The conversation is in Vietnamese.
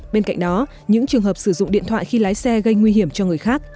bên cạnh đó những trường hợp sử dụng điện thoại khi lái xe gây nguy hiểm cho người khác